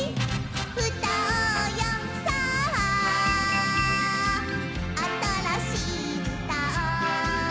「うたおうよさああたらしいうたを」